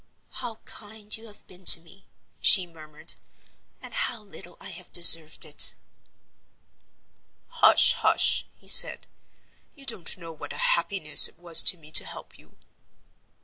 "How kind you have been to me!" she murmured. "And how little I have deserved it!" "Hush! hush!" he said. "You don't know what a happiness it was to me to help you."